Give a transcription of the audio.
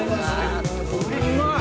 うまい！